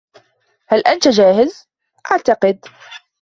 «هل أنت جاهز؟» «أعتقد.»